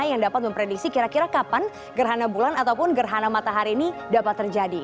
yang dapat memprediksi kira kira kapan gerhana bulan ataupun gerhana matahari ini dapat terjadi